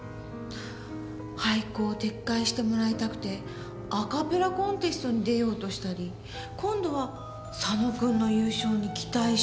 廃校を撤回してもらいたくてアカペラコンテストに出ようとしたり今度は佐野君の優勝に期待したり。